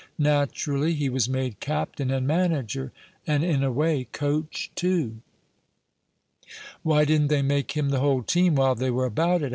Naturally, he was made captain and manager, and, in a way, coach too." "Why didn't they make him the whole team while they were about it?"